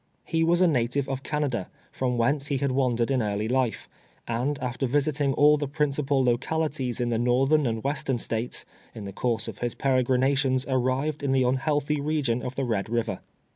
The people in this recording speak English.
He was a native of Canada, from whence he had wandered in early life, and after visiting all the prin cipal localities in the northern and western States, in the course of his peregrinations, arrived in the un healthy region of the Ked River.